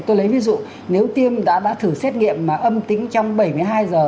tôi lấy ví dụ nếu tiêm đã thử xét nghiệm mà âm tính trong bảy mươi hai giờ